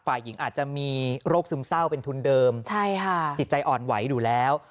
ฝ่ายหญิงอาจจะมีโรคซึมเศร้าเป็นทุนเดิมใช่ค่ะจิตใจอ่อนไหวอยู่แล้ว